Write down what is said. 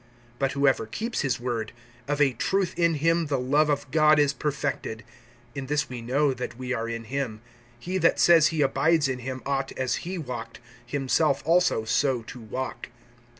(5)But whoever keeps his word, of a truth in him the love of God is perfected. In this we know that we are in him. (6)He that says he abides in him ought, as he walked, himself also so to walk.